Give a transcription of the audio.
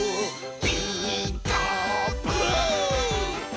「ピーカーブ！」